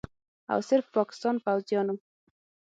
او صرف پاکستان پوځیانو